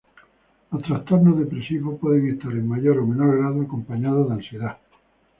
Los trastornos depresivos pueden estar, en mayor o menor grado, acompañados de ansiedad.